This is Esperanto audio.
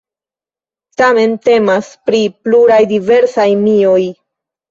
Tamen temas pri pluraj diversaj mioj.